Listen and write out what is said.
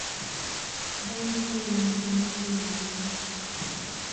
Damu huwa ni majimaji na nyepesi